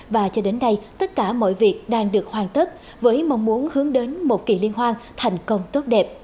và cho đến nay tất cả mọi việc đang được hoàn tất với mong muốn hướng đến một kỳ liên hoan thành công tốt đẹp